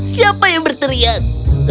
siapa yang berteriak